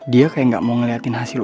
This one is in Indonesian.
dia kayak nggak mau ngeliatin hasil wsg itu